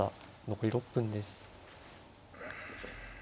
残り６分です。